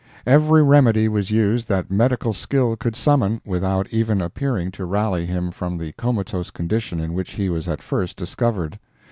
Every remedy was used that medical skill could summon, without even appearing to rally him from the comatose condition in which he was at first discovered.